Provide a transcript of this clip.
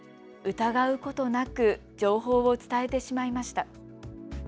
疑うことなく情報を伝えてしまいました。